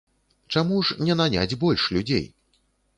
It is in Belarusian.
Чаму ж не наняць больш людзей?